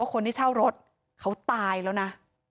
คนที่เช่ารถเขาตายแล้วนะ